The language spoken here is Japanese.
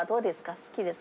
好きです。